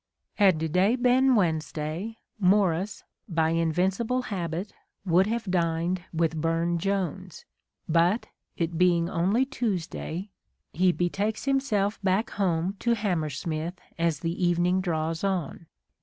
Had to day been Wednesday, Morris, by invincible habit, would have dined with Burne Jones ; but, it being only Tuesday, he betakes himself back home to Hammersmith as the evening draws on.